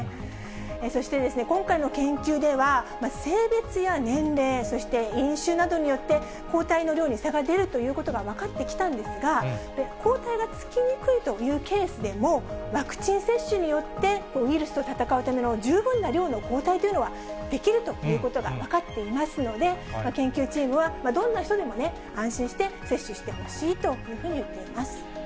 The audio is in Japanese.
そして今回の研究では、性別や年齢、そして、飲酒などによって、抗体の量に差が出るということが分かってきたんですが、抗体がつきにくいというケースでも、ワクチン接種によって、ウイルスと戦うための十分な量の抗体というのは、出来るということが分かっていますので、研究チームはどんな人でも、安心して接種してほしいというふうに言っています。